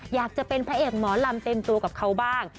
อยากจะเป็นพระเอกหมอลำเต็มตัวกับเขาบ้าง